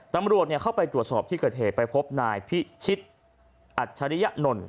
ตำรวจเข้าไปตรวจสอบที่เกิดเหตุไปพบนายพิชิตอัจฉริยะนนท์